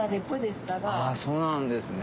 そうなんですね。